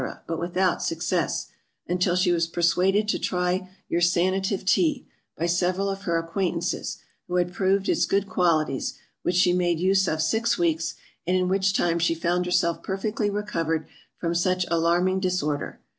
but without success, until she was persuaded to try your Sanative Tea, by several of her acquaintances, who had proved its good qualities, which she made use of six weeks, and in which time she found herself perfectly recovered from such alarming disorder.